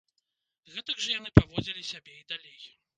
Гэтак жа яны паводзілі сябе і далей.